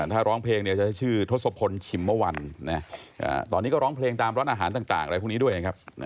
ถ้าร้องเพลงจะใช้ชื่อทศพลชิมเมื่อวันตอนนี้ก็ร้องเพลงตามร้านอาหารต่างอะไรพวกนี้ด้วยนะครับ